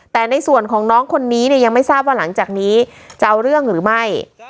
แต่ในส่วนของน้องคนนี้เนี่ยยังไม่ทราบว่าหลังจากนี้จะเอาเรื่องหรือไม่